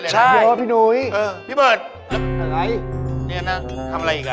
ไปจะถามว่าไปมาคุยอะไรกับเขาบ้าง